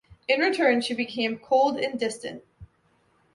In return, she becomes cold and distant.